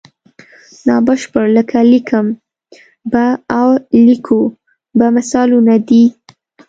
نا بشپړ لکه لیکم به او لیکو به مثالونه دي.